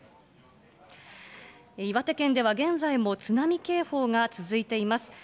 岩手県では現在も津波警報が続いています。